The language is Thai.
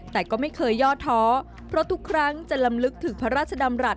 แต่ก็ไม่เคยย่อท้อเพราะทุกครั้งจะลำลึกถึงพระราชดำรัฐ